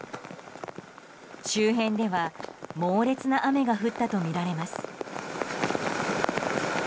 周辺では猛烈な雨が降ったとみられます。